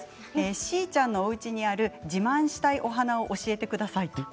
しーちゃんのおうちにある自慢したいお花を教えてください。